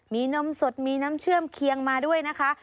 มีนมสดมีน้ำเชื่อมเคียงมาด้วยนะคะ